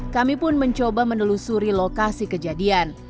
kami pun mencoba menelusuri lokasi kejadian